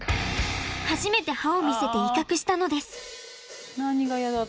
初めて歯を見せて威嚇したのです。